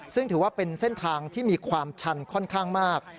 ซึ่งถือว่าเป็นเส้นทางที่มีความชันค่อนข้างมาก